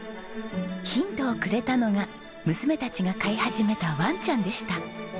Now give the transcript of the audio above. ヒントをくれたのが娘たちが飼い始めたワンちゃんでした。